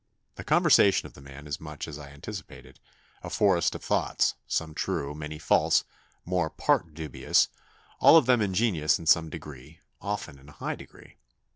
The conversation of the man is much as I anticipated a forest of thoughts, some true, many false, more part dubious, all of them ingenious in some degree, often in a high degree.